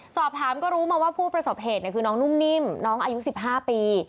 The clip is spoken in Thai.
สอบถามก็รู้มาว่าผู้ประสบเหตุคือน้องนุ่มนิ่มน้องอายุ๑๕ปี